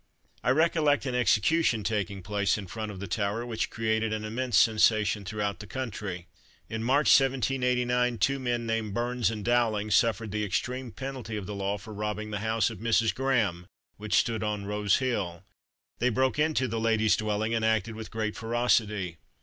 I recollect an execution taking place in front of the Tower, which created an immense sensation throughout the country. In March 1789, two men named Burns and Dowling, suffered the extreme penalty of the law for robbing the house of Mrs. Graham, which stood on Rose Hill. They broke into the lady's dwelling, and acted with great ferocity.